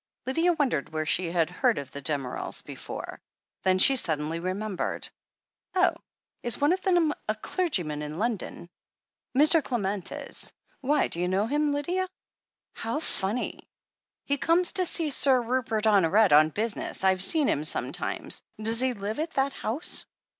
Lydia wondered where she had heard of the Dam erels before. Then she suddenly remembered. "Oh, is one of them a clergyman in London ?" "Mr. Clement is. Why — do you know him, Lydia ? How funny!" "He comes to see Sir Rupert Honoret on business. I've seen him sometimes. Does he live at that house?"